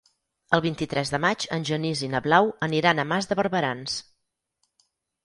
El vint-i-tres de maig en Genís i na Blau aniran a Mas de Barberans.